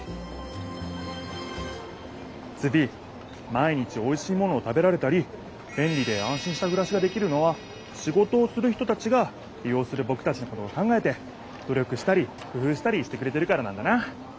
ズビ毎日おいしいものを食べられたりべんりであんしんしたくらしができるのは仕事をする人たちがり用するぼくたちのことを考えて努力したりくふうしたりしてくれてるからなんだな。